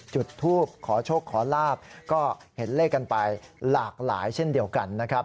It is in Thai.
จุดทูปขอโชคขอลาบก็เห็นเลขกันไปหลากหลายเช่นเดียวกันนะครับ